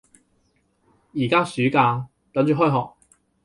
而家暑假，等住開學